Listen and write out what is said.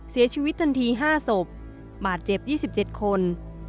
เสียชีวิตทันที๕ศพบาดเจ็บ๒๗คน